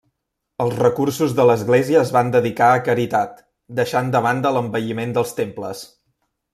Els recursos de l'església es van dedicar a caritat, deixant de banda l'embelliment dels temples.